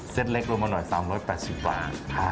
เล็กลงมาหน่อย๓๘๐บาท